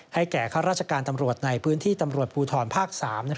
แก่ข้าราชการตำรวจในพื้นที่ตำรวจภูทรภาค๓